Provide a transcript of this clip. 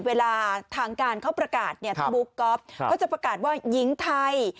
เวลาทางการเขาประกาศเนี่ยพี่บุ๊กก๊อฟเขาจะประกาศว่าหญิงไทย